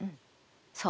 そう。